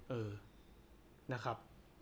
เออนะครับ